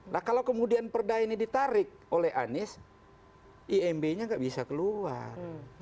nah kalau kemudian perda ini ditarik oleh anies imb nya nggak bisa keluar